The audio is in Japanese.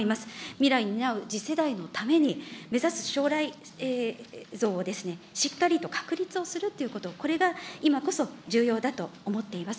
未来を担う次世代のために、目指す将来像をしっかりと確立をするっていうこと、これが今こそ重要だと思っています。